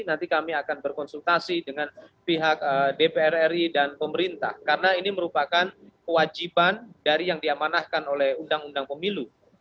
nanti kami akan berkonsultasi dengan pihak dpr ri dan pemerintah karena ini merupakan kewajiban dari yang diamanahkan oleh undang undang pemilu